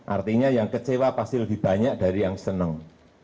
artinya yang kecewa pasti lebih banyak dari yang senang